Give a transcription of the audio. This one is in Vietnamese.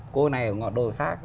cô này ở ngọn đồi khác